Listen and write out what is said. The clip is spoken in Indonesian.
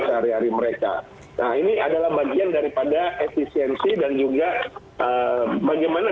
sehari hari mereka nah ini adalah bagian daripada efisiensi dan juga bagaimana